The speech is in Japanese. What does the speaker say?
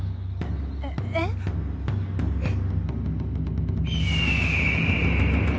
えっえっ？